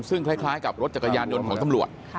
ซึ่งคล้ายกับรถจักรยานยนต์ของตำรวจ